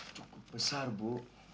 duh cukup besar bu